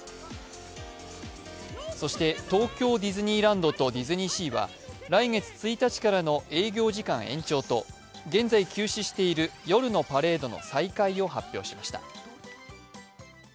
そして東京ディズニーランドとディズニーシーは来月１日からの営業時間延長と現在休止している夜のパレードの再開を発表しました。